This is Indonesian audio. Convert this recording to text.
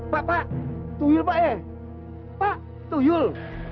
pak tuyul pak ya pak tuyul